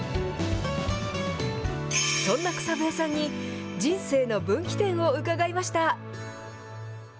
そんな草笛さんに、人生の分岐点を伺いました。